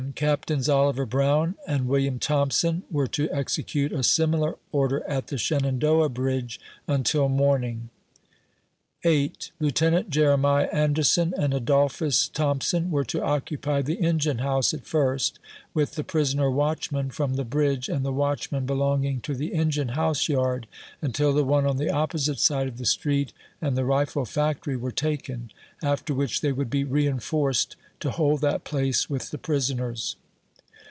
Captains Oliver Brown and William Thompson were to execute a similar order at the Shenandoah bridge, until morning. 8. Lieutenant Jeremiah Anderson and Adolphus Thomp son were to occupy the engine house at first, with the prisoner watchman from the bridge and the watchman belonging to the engine house yard, until the one on the opposite side oi the street and the rifle factory were taken, after which they would be reinforced, to hold that place with the prisoners.